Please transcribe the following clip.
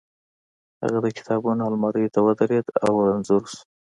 هغه د کتابونو المارۍ ته ودرېد او رنځور شو